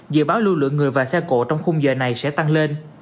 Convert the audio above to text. dự báo lưu lượng người và xe cổ trong khung giờ này sẽ tăng lên